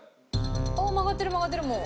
曲がってる曲がってるもう。